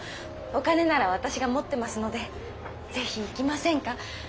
お金なら私が持ってますので是非行きませんか？